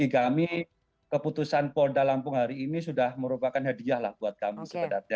bagi kami keputusan polda lampung hari ini sudah merupakan hadiah lah buat kami sebenarnya